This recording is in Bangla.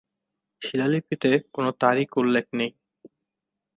শিলালিপিতে কোন তারিখ উল্লেখ নেই।